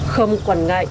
không quần ngay